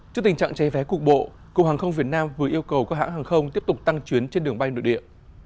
trước tình trạng cháy vé cục bộ cục hàng không việt nam vừa yêu cầu các hãng hàng không tiếp tục tăng chuyến trên đường bay nội địa